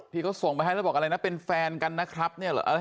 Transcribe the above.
ที่เขาส่งไปให้แล้วบอกอะไรนะเป็นแฟนกันนะครับเนี่ยเหรอ